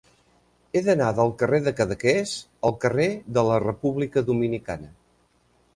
He d'anar del carrer de Cadaqués al carrer de la República Dominicana.